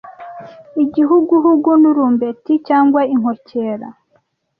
Igihuguhugu n urumbeti cyangwa inkokera